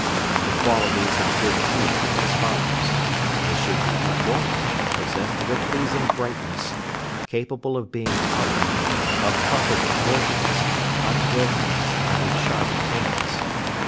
The qualities of good teeth are as follows: They should be equal, possessed of a pleasing brightness, capable of being coloured, of proper proportions, unbroken, and with sharp ends.